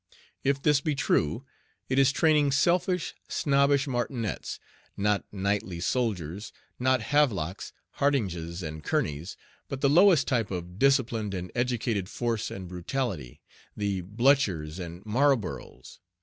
If this be true, it is training selfish, snobbish martinets not knightly soldiers, not Havelocks, Hardinges, and Kearneys but the lowest type of disciplined and educated force and brutality the Bluchers and Marlboroughs.